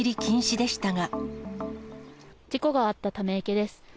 事故があったため池です。